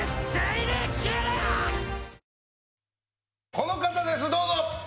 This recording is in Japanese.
この方です、どうぞ！